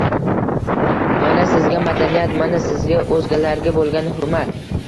Mana sizga madaniyat, mana sizga oʻzgalarga boʻlgan hurmat...